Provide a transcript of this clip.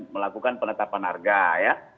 melakukan penetapan harga ya